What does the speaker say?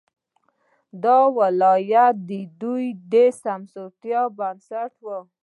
دا ولایت د دوی د سمسورتیا بنسټ وو.